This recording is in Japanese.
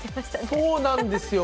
そうなんですよ。